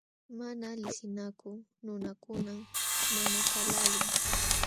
Mana liqsinakuq nunakunam maqanakaqlaalin.